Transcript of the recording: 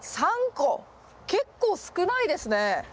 結構少ないですね。